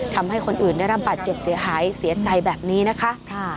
ทำให้คนอื่นได้รับบาดเจ็บเสียหายเสียใจแบบนี้นะคะ